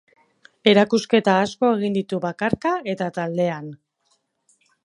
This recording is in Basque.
Erakusketa asko egin ditu bakarka eta taldean.